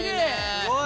すごい。